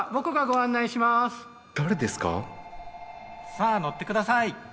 さあ乗って下さい！